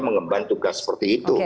mengembang tugas seperti itu